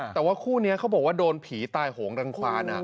แต่ว่าคู่นี้เขาบอกว่าโดนผีตายโหงรังควาน